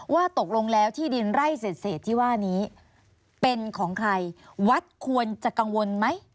ว่าตกลงแล้วที่ดินไร่เศษที่ว่านี้เป็นของใครวัดควรจะกังวลไหม